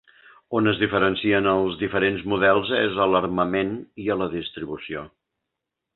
On es diferencien els diferents models és a l'armament i a la distribució.